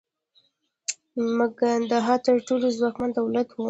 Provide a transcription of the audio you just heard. مګدها تر ټولو ځواکمن دولت و.